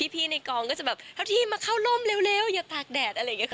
พี่ในกองก็จะแบบทัพทิมมาเข้าล่มเร็วอย่าตากแดดอะไรเงี้ย